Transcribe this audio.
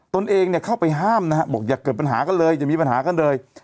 ตนเองเนี่ยเข้าไปห้ามนะฮะบอกอย่าเกิดปัญหากันเลยอย่ามีปัญหากันเลย